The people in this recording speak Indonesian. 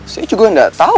sih juga enggak tahu